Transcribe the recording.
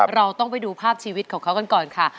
เราต้องไปดูภาพชีวิตของเขากันก่อนค่ะ